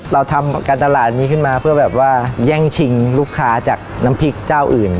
เราทำการตลาดนี้ขึ้นมาเพื่อแบบว่าแย่งชิงลูกค้าจากน้ำพริกเจ้าอื่น